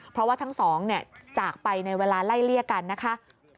เพราะว่าทั้งสองจากไปในเวลาไล่เลี่ยกันนะคะ